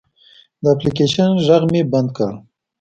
د اپلیکیشن غږ مې بند کړ.